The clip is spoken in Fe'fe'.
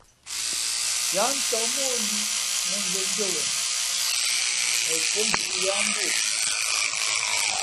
Yáá ncāk mά ó líꞌmᾱ nzᾱndʉ́ά wen, mα póngʉ̌ʼ yáá mbú o.